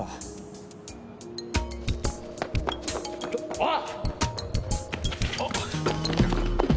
あっ。